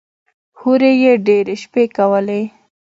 هورې يې ډېرې شپې کولې.